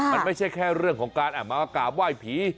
มันไม่ใช่แค่เรื่องของการมากราบไหว้ผี